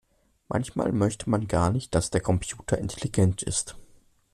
Manchmal möchte man gar nicht, dass der Computer intelligent ist.